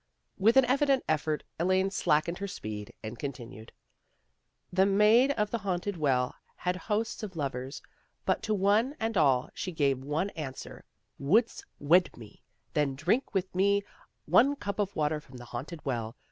With an evident effort Elaine slackened her speed and continued. " The Maid of the Haunted Well had hosts of lovers, but to one and all she gave one an swer ' Wouldst wed me? Then drink with me one cup of water from the Haunted Well.